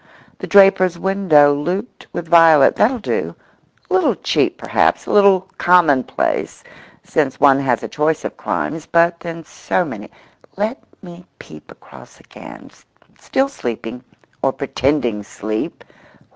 The draper's window looped with violet—that'll do; a little cheap perhaps, a little commonplace—since one has a choice of crimes, but then so many (let me peep across again—still sleeping, or pretending sleep!